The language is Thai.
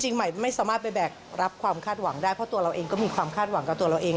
ใหม่ไม่สามารถไปแบกรับความคาดหวังได้เพราะตัวเราเองก็มีความคาดหวังกับตัวเราเอง